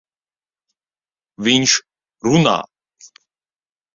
Viņš runā!